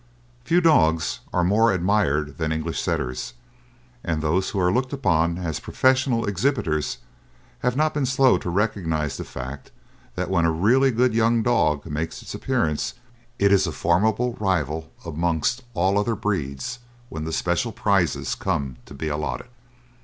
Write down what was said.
Few dogs are more admired than English Setters, and those who are looked upon as professional exhibitors have not been slow to recognise the fact that when a really good young dog makes its appearance it is a formidable rival amongst all other breeds when the special prizes come to be allotted.